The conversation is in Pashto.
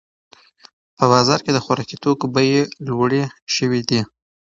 په بازار کې د خوراکي توکو بیې لوړې شوې دي.